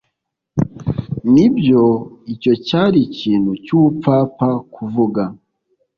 Nibyo icyo cyari ikintu cyubupfapfa kuvuga